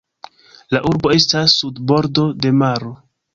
La urbo estas sur bordo de maro.